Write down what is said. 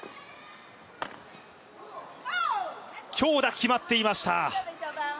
強打、決まっていました。